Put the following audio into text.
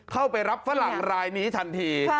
เข้าไปรับฝรั่งรายนี้ทันที